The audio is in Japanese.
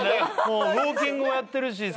ウオーキングもやってるし最近。